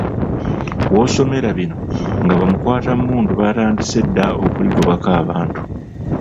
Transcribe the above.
W'osomera bino nga bamukwatammundu baatandise dda okuligobako abantu.